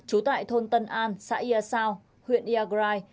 trú tại thôn tân an xã ia sao huyện iagrai